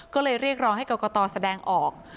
ก็เลยเรียกร้องให้กรกตแสดงออก